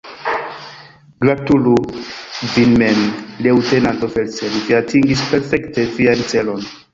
Gratulu vin mem, leŭtenanto Felsen, vi atingis perfekte vian celon!